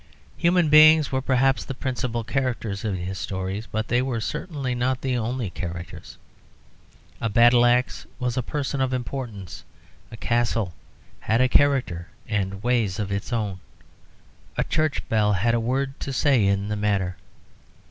Human beings were perhaps the principal characters in his stories, but they were certainly not the only characters. A battle axe was a person of importance, a castle had a character and ways of its own. A church bell had a word to say in the matter.